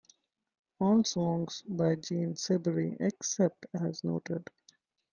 All songs by Jane Siberry, except as noted.